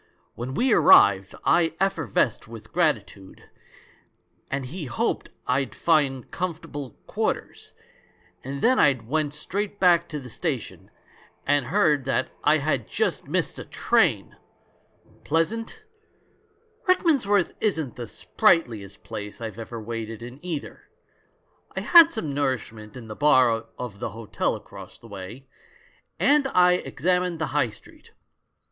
When we arrived I effervesced with gratitude, and he hoped I'd find comfortable quarters; and then I went straight back to the station — and heard that I had just missed a train! Pleasant? Rick A VERY GOOD THING FOR THE GIRL 25 mansworth isn't the sprightliest place I've ever waited in either. I had some nourishment in the bar of the hotel across the way, and I examined the High Street.